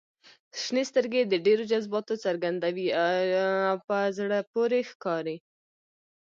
• شنې سترګې د ډېر جذباتو څرګندوي او په زړه پورې ښکاري.